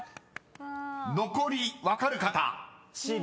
［残り分かる方］